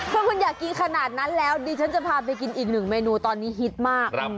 ถ้าคุณอยากกินขนาดนั้นแล้วดิฉันจะพาไปกินอีกหนึ่งเมนูตอนนี้ฮิตมาก